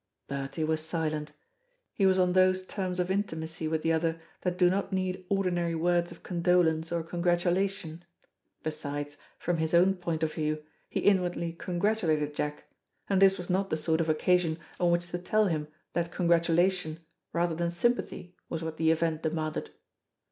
Bertie was silent. He was on those terms of intimacy with the other that do not need ordinary words of condolence or congratulation. Besides, from his own point of view, he inwardly congratulated Jack, and this was not the sort of occasion on which to tell him that congratulation rather than sympathy was what the event demanded.